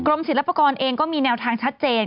ศิลปากรเองก็มีแนวทางชัดเจน